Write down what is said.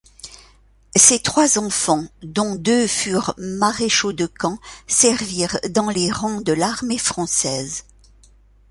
Ses trois enfants, dont deux furent maréchaux-de-camp, servirent dans les rangs de l'armée française.